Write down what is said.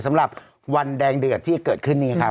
สำหรับวันแดงเดือดที่เกิดขึ้นนี้ครับ